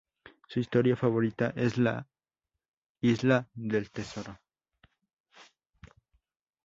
Su historia favorita es La isla del tesoro.